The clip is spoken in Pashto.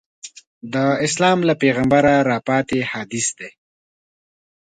د اسلام له پیغمبره راپاتې حدیث دی.